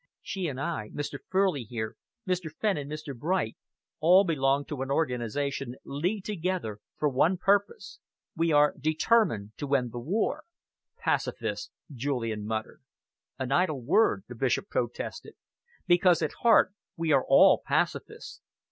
She and I, Mr. Furley here, Mr. Fenn and Mr. Bright, all belong to an organisation leagued together for one purpose we are determined to end the war." "Pacifists!" Julian muttered. "An idle word," the Bishop protested, "because at heart we are all pacifists.